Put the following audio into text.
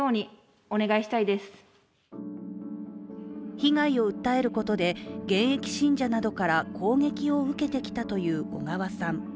被害を訴えることで、現役信者などから攻撃を受けてきたという小川さん。